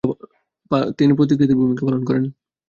তিনি পথিকৃতের ভূমিকা পালন করেন।